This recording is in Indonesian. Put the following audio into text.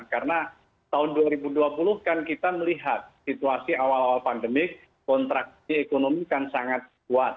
karena tahun dua ribu dua puluh kan kita melihat situasi awal awal pandemik kontrak ekonomi kan sangat kuat